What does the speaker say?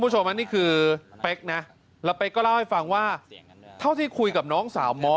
ใช่ครับให้แยกกันครับ